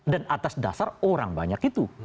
dan atas dasar orang banyak itu